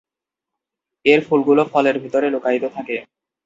এর ফুলগুলো ফলের ভেতরে লুকায়িত থাকে।